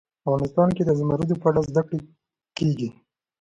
افغانستان کې د زمرد په اړه زده کړه کېږي.